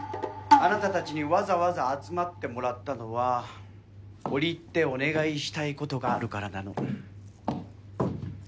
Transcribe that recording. あなたたちにわざわざ集まってもらったのは折り入ってお願いしたいことがあるからなの。